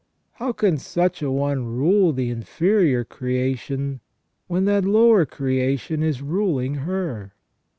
How can such an one rule the inferior creation when that lower creation is ruling her